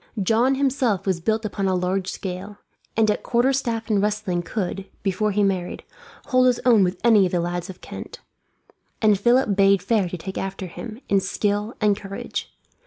John himself was built upon a large scale, and at quarterstaff and wrestling could, before he married, hold his own with any of the lads of Kent; and Philip bade fair to take after him, in skill and courage.